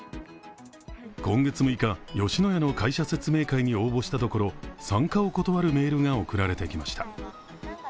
今月６日、吉野家の会社説明会に応募したところ参加を断るメールが送られてきました。